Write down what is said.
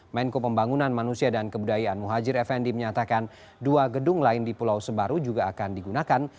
menko pembangunan manusia dan kebudayaan muhajir effendi menyatakan dua gedung lain di pulau sebaru juga akan digunakan